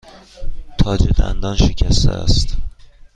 تاج دندان شکسته است.